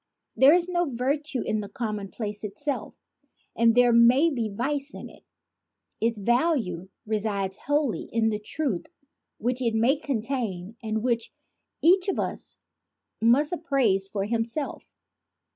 There is no virtue in the commonplace itself, and there may be vice in it. Its value resides wholly in the truth which it may contain and which each of us must appraise for himself.